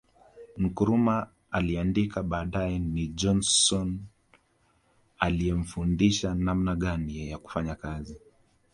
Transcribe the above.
Nkrumah aliandika baadae ni Johnson aliyemfundisha namna gani ya kufanya kazi